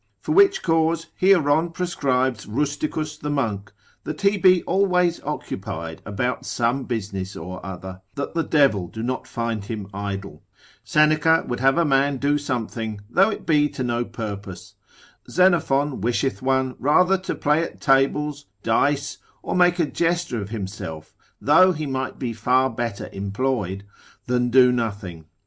For which cause Hieron prescribes Rusticus the monk, that he be always occupied about some business or other, that the devil do not find him idle. Seneca would have a man do something, though it be to no purpose. Xenophon wisheth one rather to play at tables, dice, or make a jester of himself (though he might be far better employed) than do nothing.